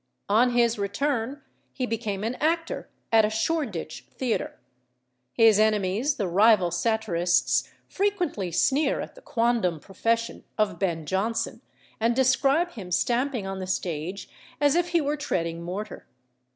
On his return, he became an actor at a Shoreditch theatre. His enemies, the rival satirists, frequently sneer at the quondam profession of Ben Jonson, and describe him stamping on the stage as if he were treading mortar.